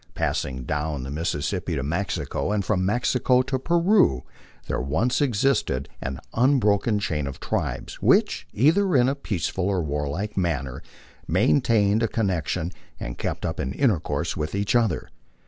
Passing down the Mississippi to Mexico, and from Mexico to Peru, there once existed an un broken chain of tribes, which, either in a peaceful or warlike manner, main tained a connection and kept up an intercourse with each other.